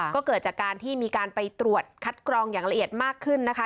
ก็เกิดจากการที่มีการไปตรวจคัดกรองอย่างละเอียดมากขึ้นนะคะ